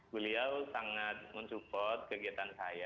beliau sangat mensupport kegiatan saya